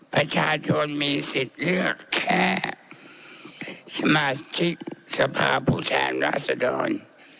ประชาชนมีสิทธิ์เลือกแค่สมาชิกสภาพผู้แทนราษดร